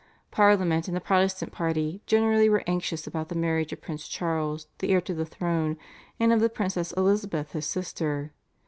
Parliament and the Protestant party generally were anxious about the marriage of Prince Charles, the heir to the throne, and of the princess Elizabeth his sister.